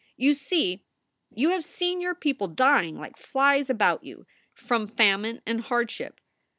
You see, you have seen your people dying like flies about you, from famine and hardship.